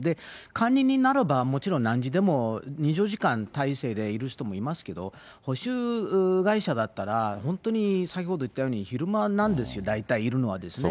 管理人ならば、もちろん何時でも２４時間態勢でいる人もいますけど、保守会社だったら、本当に先ほど言ったように、昼間なんですよ、大体いるのはですね。